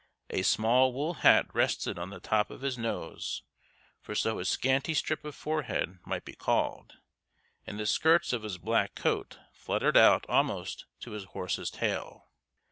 A small wool hat rested on the top of his nose, for so his scanty strip of forehead might be called, and the skirts of his black coat fluttered out almost to his horse's tail.